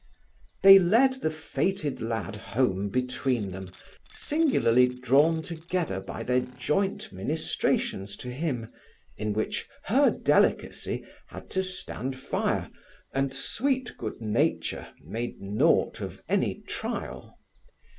They led the fated lad home between them, singularly drawn together by their joint ministrations to him, in which her delicacy had to stand fire, and sweet good nature made naught of any trial.